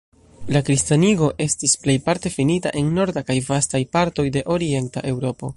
La kristanigo estis plejparte finita en norda kaj vastaj partoj de orienta Eŭropo.